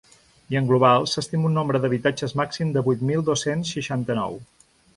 I en global, s’estima un nombre d’habitatges màxim de vuit mil dos-cents seixanta-nou.